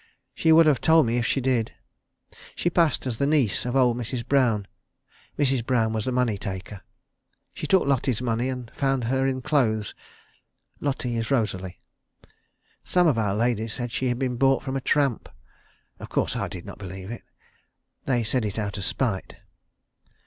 She would have told me if she did. She passed as the niece of old Mrs. Brown. Mrs. Brown was the money taker. She took Lotty's money and found her in clothes. Lotty is Rosalie. Some of our ladies said she had been bought from a tramp. Of course I did not believe it. They said it out of spite.